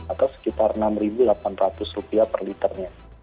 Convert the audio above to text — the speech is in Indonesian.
atau sekitar rp enam delapan ratus per liternya